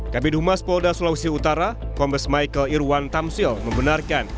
kabinet humas polda sulawesi utara kompes michael irwan tamsil membenarkan